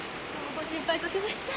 ご心配かけました。